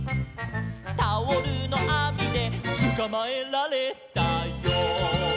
「タオルのあみでつかまえられたよ」